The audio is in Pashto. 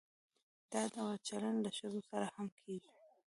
دا ډول چلند له ښځو سره هم کیږي.